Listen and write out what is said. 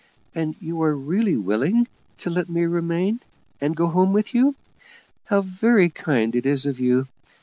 And you are really willing to let me remain, and go home with you? How very kind it is of you!